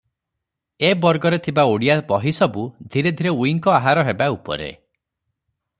ଏ ବର୍ଗରେ ଥିବା ଓଡ଼ିଆ ବହିସବୁ ଧୀରେ ଧୀରେ ଉଇଙ୍କ ଆହାର ହେବା ଉପରେ ।